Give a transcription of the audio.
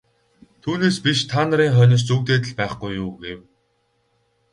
Түүнээс биш та нарын хойноос зүүгдээд л байхгүй юу гэв.